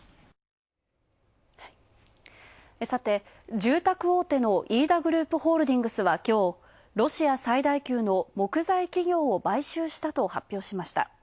住宅大手の飯田グループホールディングスはきょう、ロシア最大級の木材企業を買収したと発表しました。